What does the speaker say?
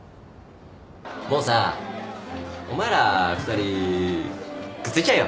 もうさお前ら２人くっついちゃえよ。